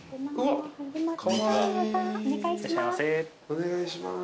お願いします。